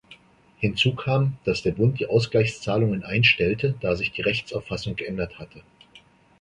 Hinzu kam, dass der Bund die Ausgleichszahlungen einstellte, da sich die Rechtsauffassung geändert hatte.